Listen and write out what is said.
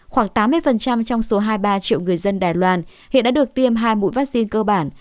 khoảng tám mươi trong số hai mươi ba triệu người dân đài loan hiện đã được tiêm hai mũi vaccine cơ bản